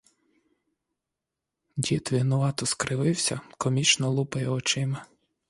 Дід винувато скривився, комічно лупає очима.